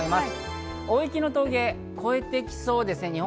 大雪の峠、越えてきそうですね。